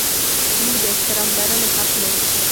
موږ د احترام لرلو حق لرو.